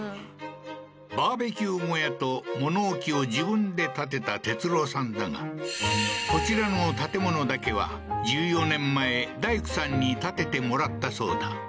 バーベキュー小屋と物置を自分で建てた哲郎さんだがこちらの建物だけは１４年前大工さんに建ててもらったそうだ